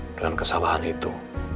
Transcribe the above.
dengan kesalahan itu